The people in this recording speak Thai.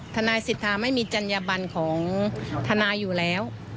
ทนายสิทธาไม่มีจัญญบันของทนายอยู่แล้ว